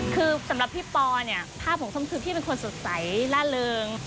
คือสำหรับพี่ปอเนี่ยภาพของส้มคือพี่เป็นคนสดใสล่าเริง